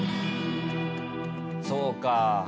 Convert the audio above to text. そうか。